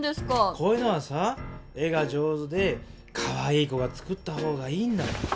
こういうのはさ絵が上手でかわいい子が作った方がいいんだよ。